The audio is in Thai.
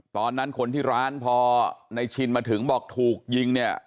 ตอนนั้นคนที่ร้านพอในชินมาถึงบอกถูกยิงเนี่ย